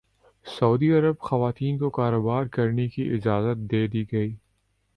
سعودی Arab خواتین کو کاروبار کرنے کی اجازت دے دی گئی